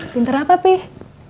pinter apa peh